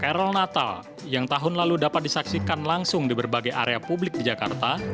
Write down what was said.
krl natal yang tahun lalu dapat disaksikan langsung di berbagai area publik di jakarta